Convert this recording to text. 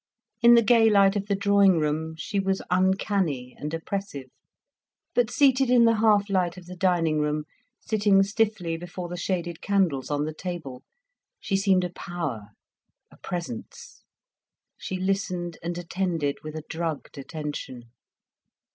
In the gay light of the drawing room she was uncanny and oppressive. But seated in the half light of the dining room, sitting stiffly before the shaded candles on the table, she seemed a power, a presence. She listened and attended with a drugged attention.